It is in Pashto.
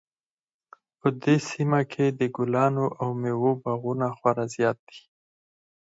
په دې سیمه کې د ګلانو او میوو باغونه خورا زیات دي